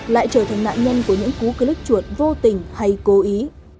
lại trở thành nạn nhân của những cú click chuột vô tình hay cố ý